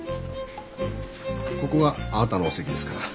ここがあなたの席ですから。